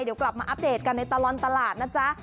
เดี๋ยวกลับมาอัปเดตกันในตลอดตลาดนะจ๊ะ